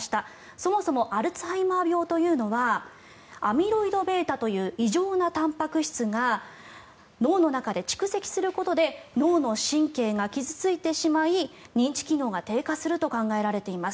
そもそもアルツハイマー病というのはアミロイドβという異常なたんぱく質が脳の中で蓄積することで脳の神経が傷付いてしまい認知機能が低下すると考えられています。